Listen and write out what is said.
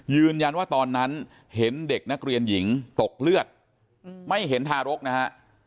ยืนยันว่าตอนนั้นเห็นเด็กนักเรียนหญิงตกเลือดไม่เห็นทารกนะฮะ